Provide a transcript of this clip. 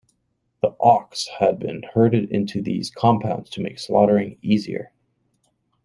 The Auks had been herded into these compounds to make slaughtering easier.